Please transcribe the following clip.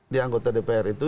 di anggota dpr itu